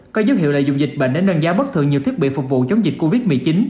có dấu hiệu lợi dụng dịch bệnh để nâng giá bất thường nhiều thiết bị phục vụ chống dịch covid một mươi chín